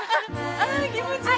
あぁ気持ちいい。